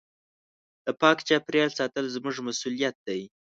د پاک چاپېریال ساتل زموږ مسؤلیت دی.